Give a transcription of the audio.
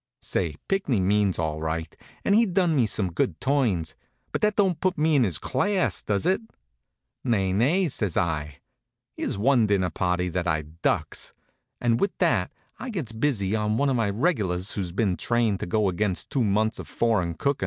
Say, Pinckney means all right, and he's done me some good turns; but that don't put me in his class, does it? Nay, nay, says I. Here's one dinner party that I ducks. And with that I gets busy on one of my reg'lars who's bein' trained to go against two months of foreign cookin'.